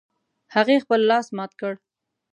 هغې خپل لاس مات کړ